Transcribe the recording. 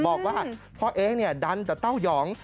บอกว่าพ่อเองดันแต่เต้ายอง